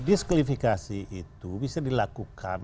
disqualifikasi itu bisa dilakukan